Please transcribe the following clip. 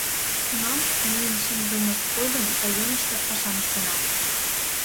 — Тунам, мыйым шындымышт годым, районыштак пашам ыштенат.